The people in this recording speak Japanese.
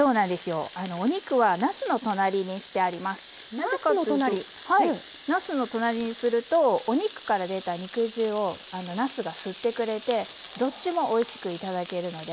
なぜかというとなすの隣にするとお肉から出た肉汁をなすが吸ってくれてどっちもおいしく頂けるので。